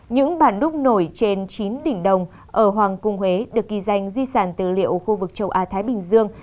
những bản đúc nổi trên chín đỉnh đồng ở hoàng cung huế được kỳ danh di sản tư liệu khu vực châu á thái bình dương